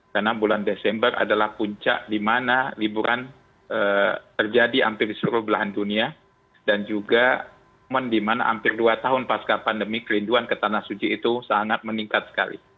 karena bulan desember adalah puncak di mana liburan terjadi hampir di seluruh belahan dunia dan juga di mana hampir dua tahun pasca pandemi kerinduan ke tanah suji itu sangat meningkat sekali